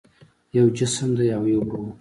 یو جسم دی او یو روح